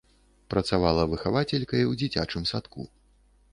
Працавала выхавацелькай у дзіцячым садку.